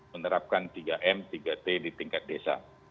menerapkan tiga m tiga t di tingkat desa